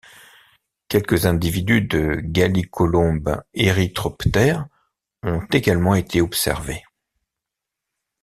Quelques individus de Gallicolombe érythroptère ont également été observés.